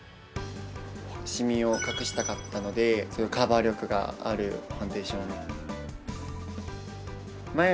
シミを隠したかったのですごいカバー力があるファンデーションを。